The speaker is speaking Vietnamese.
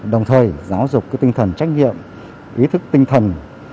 đồng thời giáo dục tinh thần trách nhiệm ý thức tinh thần